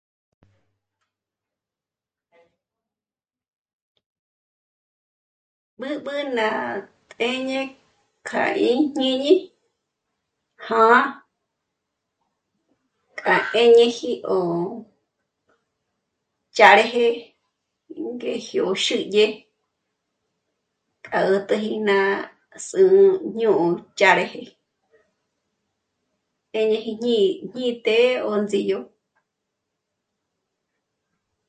B'ǚb'ü ná t'êñe k'a íjñíni já'a k'a 'éñeji 'óch'árëjë 'ingéjio xídye k'a 'ät'äji ná zü̂'ü ño'o ch'árëjë 'éñeji ñí'i të̌'ë 'ónzdíyo